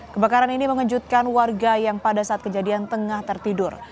kebakaran ini mengejutkan warga yang pada saat kejadian tengah tertidur